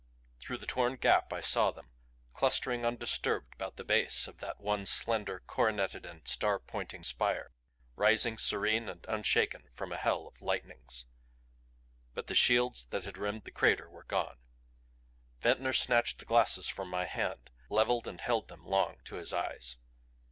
Through the torn gap I saw them, clustering undisturbed about the base of that one slender, coroneted and star pointing spire, rising serene and unshaken from a hell of lightnings. But the shields that had rimmed the crater were gone. Ventnor snatched the glasses from my hand, leveled and held them long to his eyes.